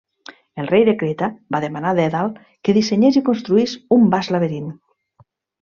El rei de Creta va demanar Dèdal que dissenyés i construís un vast laberint.